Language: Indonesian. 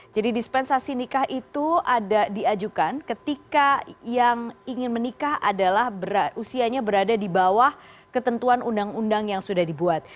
jadi dispensasi nikah itu ada diajukan ketika yang ingin menikah adalah usianya berada di bawah ketentuan undang undang yang sudah dibuat